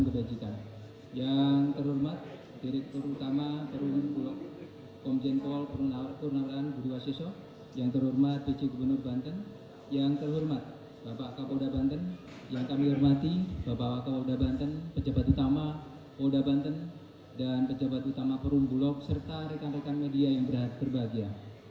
saya ingin mengucapkan selamat pagi kepada bapak wakil polda banten pejabat utama polda banten dan pejabat utama purumbulok serta rekan rekan media yang berbahagia